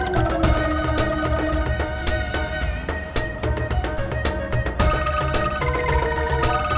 makseda urut itu juga terus